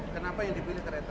kenapa yang dibeli kereta